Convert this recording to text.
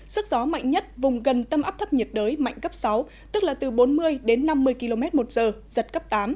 sức gió mạnh nhất vùng gần tâm áp thấp nhiệt đới mạnh cấp sáu tức là từ bốn mươi đến năm mươi km một giờ giật cấp tám